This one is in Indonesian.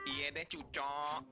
iya deh cucok